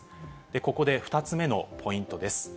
ここで２つ目のポイントです。